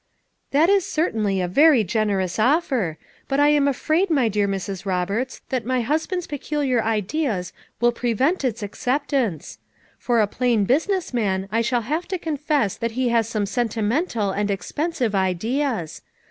"That is certainly a very generous offer but I am afraid, my dear Mrs. Roberts, that my hus band 's peculiar ideas will prevent its accept ance. For a plain business man I shall have to confess that he has some sentimental and ex pensive ideas.